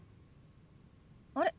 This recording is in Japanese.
あれ？